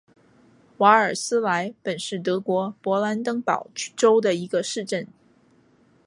瓦尔斯莱本是德国勃兰登堡州的一个市镇。